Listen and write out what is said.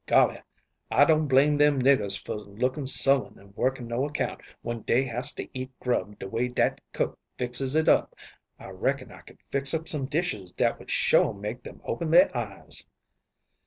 "Golly, I don't blame them niggers for looking sullen and working no account when dey has to eat grub de way dat cook fixes it up. I reckon I could fix up some dishes dat would sho' make them open their eyes."